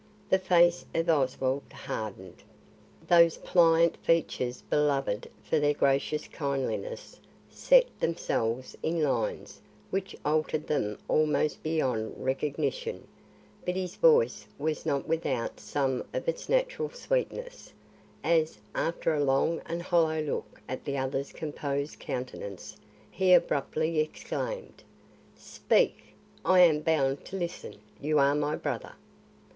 The face of Oswald hardened. Those pliant features beloved for their gracious kindliness set themselves in lines which altered them almost beyond recognition; but his voice was not without some of its natural sweetness, as, after a long and hollow look at the other's composed countenance, he abruptly exclaimed: "Speak! I am bound to listen; you are my brother."